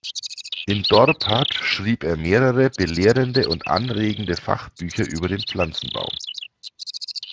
In Dorpat schrieb er mehrere belehrende und anregende Fachbücher über den Pflanzenbau.